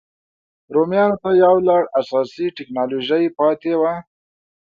رومیانو ته یو لړ اساسي ټکنالوژۍ پاتې وو.